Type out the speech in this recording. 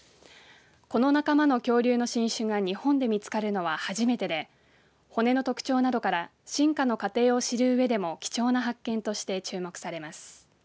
この仲間の恐竜の新種が日本で見つかるのは初めてで骨の特徴などから進化の過程を知る上でも貴重な発見として注目されます。